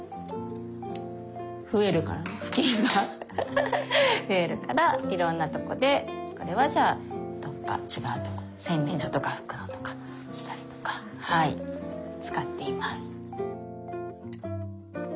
増えるからいろんなとこでこれはじゃあどっか違うとこ洗面所とか拭くのとかしたりとかはい使っています。